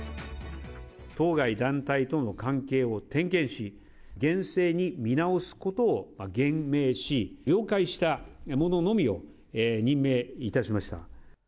当該団体との関係を点検し、厳正に見直すことを厳命し、了解した者のみを任命いたしました。